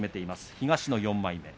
東の４枚目。